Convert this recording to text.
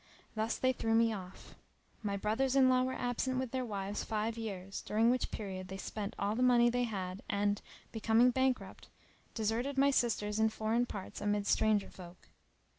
Thus they threw me off. My brothers in law were absent with their wives five years, during which period they spent all the money they had and, becoming bankrupt, deserted my sisters in foreign parts amid stranger folk.